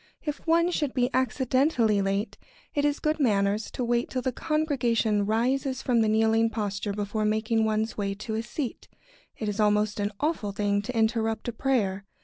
If one should be accidentally late, it is good manners to wait till the congregation rises from the kneeling posture before making one's way to a seat. It is almost an awful thing to interrupt a prayer.